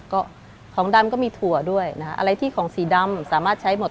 ก็ของดำก็มีถั่วด้วยนะฮะอะไรที่ของสีดำสามารถใช้หมด